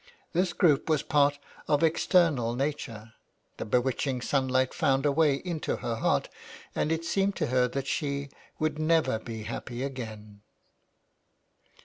This group was part of external nature. The bewitching sunlight found a way into her heart, and it seemed to her that she would never be happy again.